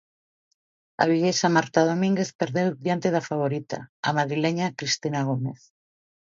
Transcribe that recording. A viguesa Marta Domínguez perdeu diante da favorita, a madrileña Cristina Gómez.